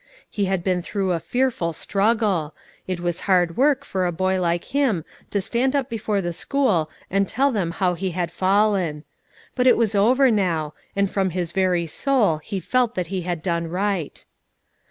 He had been through a fearful struggle; it was hard work for a boy like him to stand up before the school and tell them how he had fallen. But it was over now, and from his very soul he felt that he had done right.